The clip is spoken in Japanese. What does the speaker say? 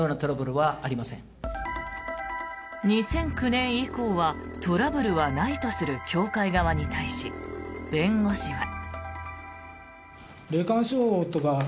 ２００９年以降はトラブルはないとする教会側に対し弁護士は。